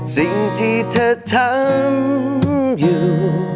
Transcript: สิ่งที่เธอทำอยู่